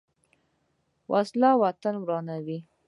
وسله وطن ورانوي